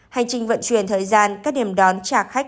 hành trình vận chuyển thời gian các điểm đón trả khách